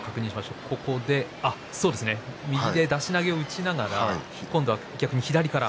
右で出し投げを打ちながら今度は逆に左から。